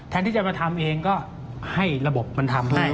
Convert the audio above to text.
ที่จะมาทำเองก็ให้ระบบมันทำให้